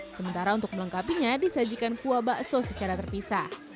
sementara untuk melengkapinya disajikan kuah bakso secara terpisah